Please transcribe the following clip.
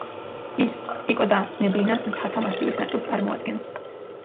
ის პიკო-და-ნებლინას მთათა მასივის ნაწილს წარმოადგენს.